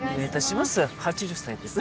８０歳です。